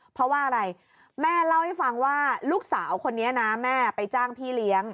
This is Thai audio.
เพราะว่าอะไรแม่เล่าให้ฟังว่าลูกสาวคนนี้นะแม่ไปจ้างพี่เลี้ยง